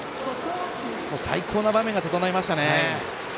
最高の場面が整いましたね。